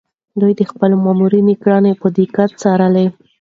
ده د خپلو مامورينو کړنې په دقت څارلې.